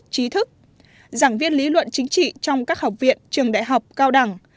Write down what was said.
trí thức giảng viên lý luận chính trị trong các học viện trường đại học cao đẳng